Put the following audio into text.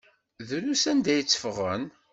Drus anda ay tteffɣen.